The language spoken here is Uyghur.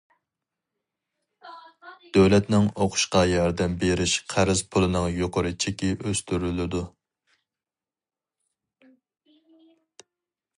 دۆلەتنىڭ ئوقۇشقا ياردەم بېرىش قەرز پۇلىنىڭ يۇقىرى چېكى ئۆستۈرۈلىدۇ.